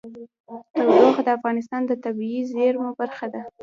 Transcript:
تودوخه د افغانستان د طبیعي زیرمو برخه ده.